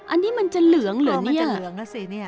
อันนี้มันจะเหลืองเหรอเนี่ยมันจะเหลืองแล้วสิเนี่ย